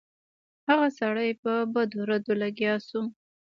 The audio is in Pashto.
هغه سړی په بدو ردو لګیا شو.